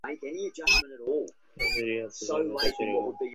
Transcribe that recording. শাশুড়ীর অত্যাচারের কথা চিরকাল এদেশে প্রচলিত।